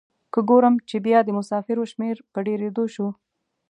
که ګورم چې بیا د مسافرو شمیر په ډیریدو شو.